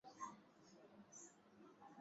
tayari ni saa kumi na mbili hapa afrika mashariki